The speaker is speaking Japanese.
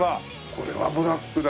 これはブラックだ。